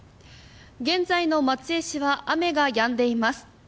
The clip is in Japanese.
現在の松江市は雨がやんでいます。